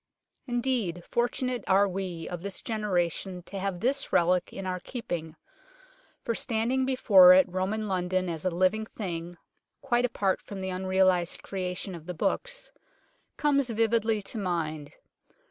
Indeed, fortunate are we of this generation to have this relic in our keeping, for standing before it Roman London as a living thing (quite apart from the unrealized creation of the books) comes vividly to mind.